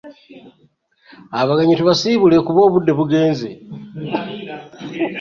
Abagenyi tubasiibule kuba obudde bugenze.